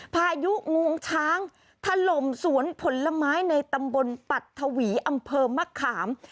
พายุงวงช้างถล่มสวนผลไม้ในตำบลปัดทวีอำเภอมะขาม